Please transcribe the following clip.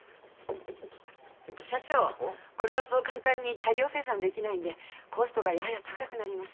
社長これはそう簡単に大量生産できないんでコストがやや高くなります。